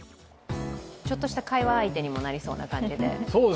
ちょっとした会話相手にもなりそうな感じで。